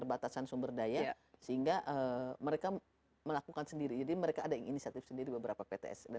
ada sehingga mereka melakukan sendiri jadi mereka ada inisiatif sendiri beberapa pts dan